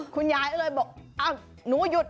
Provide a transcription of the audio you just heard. คุณยายก็เลยบอกอ้าวหนูหยุด